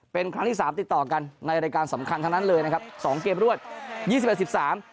เป็นครั้งที่สามติดต่อกันในรายการสำคัญทั้งนั้นเลยนะครับสองเกมรวดยี่สิบเอ็ดสิบสาม